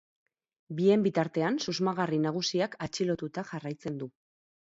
Bien bitartean, susmagarri nagusiak atxilotuta jarraitzen du.